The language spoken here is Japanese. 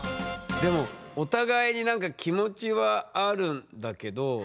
でもお互いになんか気持ちはあるんだけどなんかね。